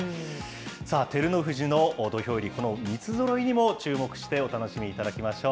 照ノ富士の土俵入り、この三つぞろいにも注目してお楽しみいただきましょう。